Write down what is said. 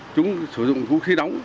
chúng sử dụng vũ khí đóng